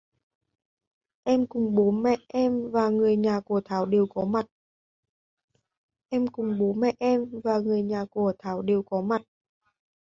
Em cùng bố mẹ em và người nhà của Thảo đều có mặt